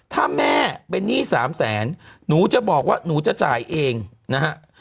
ถ้าแม่เป็นหนี้๓แสนหนูจะบอกว่าหนูจะจ่ายเองนะฮะ